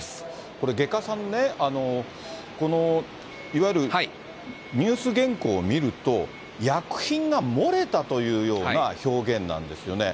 これ、外賀さんね、いわゆるニュース原稿を見ると、薬品が漏れたというような表現なんですよね。